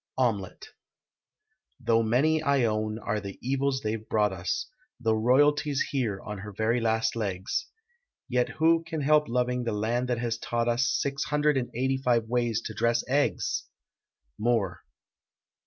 OMELET. Though many, I own, are the evils they've brought us, Though Ral*y's here on her very last legs; Yet who can help loving the land that has taught us Six hundred and eighty five ways to dress eggs! MOORE.